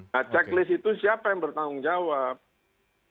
nah checklist itu siapa yang bertanggung jawab